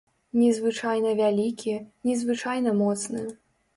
Незвычайна вялікі, незвычайна моцны.